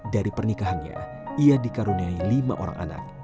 dari pernikahannya ia dikaruniai lima orang anak